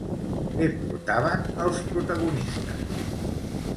Què portaven els protagonistes?